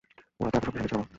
এরা তো এতো শক্তিশালী ছিলো না!